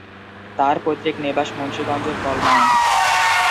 তার পৈতৃক নিবাস মুন্সিগঞ্জের কলমায়।